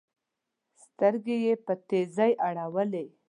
سترګي یې په تېزۍ اړولې